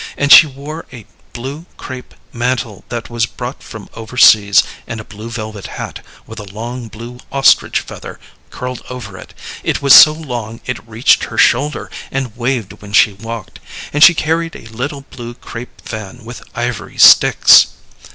And she wore a blue crape mantle that was brought from over seas, and a blue velvet hat, with a long blue ostrich feather curled over it it was so long it reached her shoulder, and waved when she walked; and she carried a little blue crape fan with ivory sticks."